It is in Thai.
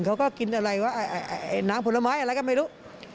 เขาก็กินอะไรวะน้ำผลไม้อะไรก็ไม่รู้